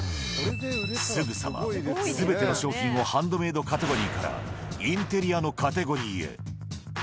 すぐさま、すべての商品をハンドメイドカテゴリからインテリアのカテゴリへ。